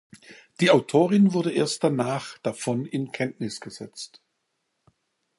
Die Autorin wurde erst danach davon in Kenntnis gesetzt.